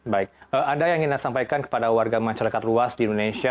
baik ada yang ingin anda sampaikan kepada warga masyarakat luas di indonesia